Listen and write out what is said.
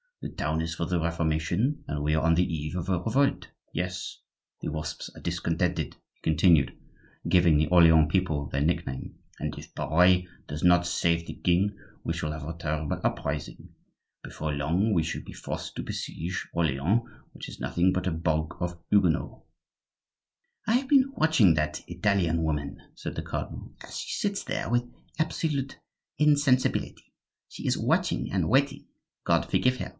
"The town is for the Reformation, and we are on the eve of a revolt. Yes! the Wasps are discontented"; he continued, giving the Orleans people their nickname; "and if Pare does not save the king we shall have a terrible uprising. Before long we shall be forced to besiege Orleans, which is nothing but a bog of Huguenots." "I have been watching that Italian woman," said the cardinal, "as she sits there with absolute insensibility. She is watching and waiting, God forgive her!